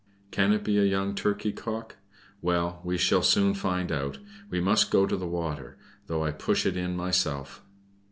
Can it be a young turkey cock? Well, we shall soon find out. It must go into the water, though I push it in myself."